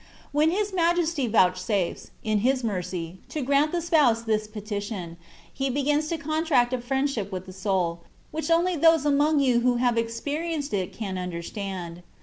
When His Majesty vouchsafes, in His mercy, to grant the spouse this petition, He begins to contract a Mendship with the soul, which only those among you who have experienced it can understand.